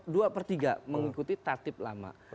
dua per tiga mengikuti tatib lama